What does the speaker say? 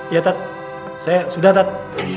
iya tat saya sudah tat